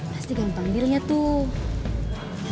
pasti gampang dirinya tuh